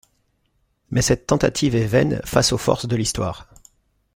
Mais cette tentative est vaine face aux forces de l’Histoire.